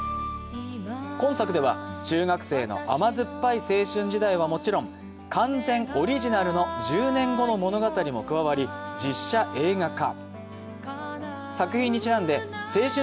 今作では、中学生の甘酸っぱい青春時代はもちろん完全オリジナルの１０年後の物語も加わり完全実写化。